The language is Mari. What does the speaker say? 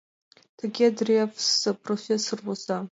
Тыге Древс профессор воза.